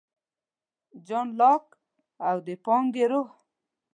جان لاک او د پانګې روح